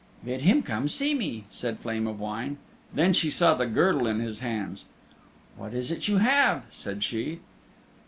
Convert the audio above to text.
"Bid him come see me," said Flame of Wine. Then she saw the girdle in his hands. "What is it you have?" said she.